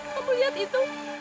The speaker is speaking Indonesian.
kamu lihat itu